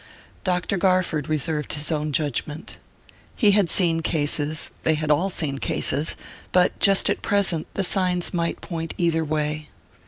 Dr. Garford reserved his own judgment. He had seen cases they had all seen cases...but just at present the signs might point either way....